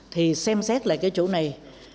thì xem xét lại cái chỗ này